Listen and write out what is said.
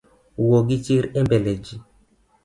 Wuo gichir embele ji